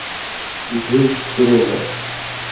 دِھیس شرو ہو تھی۔